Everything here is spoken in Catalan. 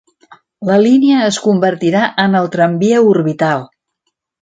La línia es convertirà en el Tramvia Orbital.